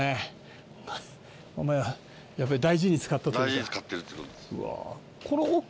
大事に使ってるっていう事です。